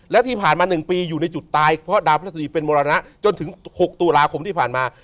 และที่ผ่านมา๑ปีอยู่ในจุดตายเพราะดาวพระศรีเป็นมรณะจนถึง๖ตุลาคมที่ผ่านมา